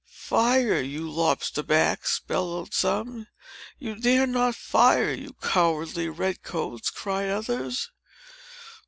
"Fire, you lobster backs!" bellowed some. "You dare not fire, you cowardly red coats," cried others.